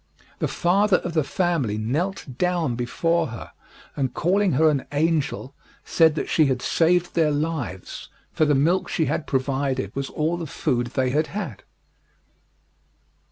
The father of the family knelt down before her, and calling her an angel said that she had saved their lives, for the milk she had provided was all the food they had had.